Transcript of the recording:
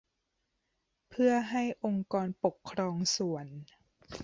เพื่อให้องค์กรปกครองส่วน